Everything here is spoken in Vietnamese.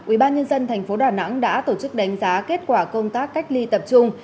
ubnd tp đà nẵng đã tổ chức đánh giá kết quả công tác cách ly tập trung